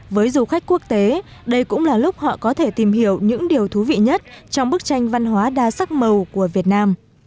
với du khách quốc tế đây cũng là lúc họ có thể tìm hiểu những điều thú vị nhất trong bức tranh văn hóa đa sắc màu của việt nam